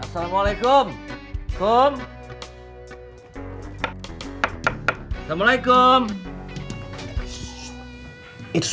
assalamualaikum shower only